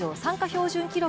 標準記録